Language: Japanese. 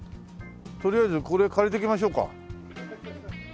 取りあえずこれ借りていきましょうか。